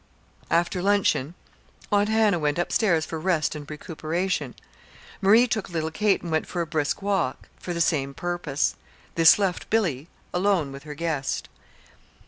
After luncheon Aunt Hannah went up stairs for rest and recuperation. Marie took little Kate and went for a brisk walk for the same purpose. This left Billy alone with her guest.